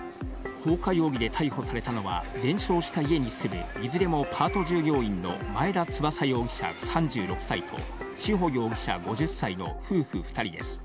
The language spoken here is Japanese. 放火容疑で逮捕されたのは、全焼した家に住むいずれもパート従業員の、前田翼容疑者３６歳と、志保容疑者５０歳の夫婦２人です。